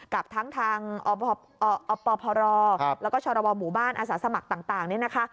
กับทั้งทางอปพรแล้วก็ชรบหมู่บ้านอาสาสมัครต่างนี่นะคะ